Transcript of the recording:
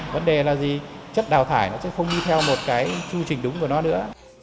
vấn đề là gì chất đào thải nó sẽ không đi theo một cái chu trình đúng của nó nữa